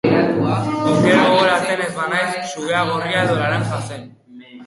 Oker gogoratzen ez banaiz, sugea gorria edo laranja zen.